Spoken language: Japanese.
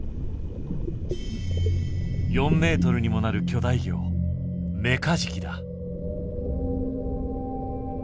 ４ｍにもなる巨大魚メカジキだ。